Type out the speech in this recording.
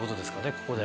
ここで。